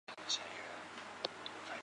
伟鬣兽的体型可以比美蒙古安氏中兽。